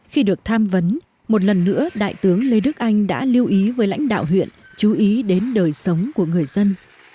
khi được tham vấn một lần nữa đại tướng lê đức anh đã lưu ý với lãnh đạo huyện chú ý đến đời sống của người dân